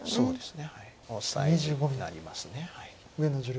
そうですね